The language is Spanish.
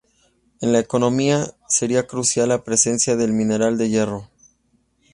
En la economía, sería crucial la presencia del mineral de hierro.